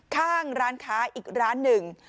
ข้างร้านค้าอีกร้านหนึ่ง